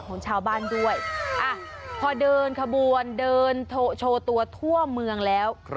ของชาวบ้านด้วยพอเดินขบวนเดินโชว์ตัวทั่วเมืองแล้ว